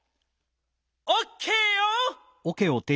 オッケーよ！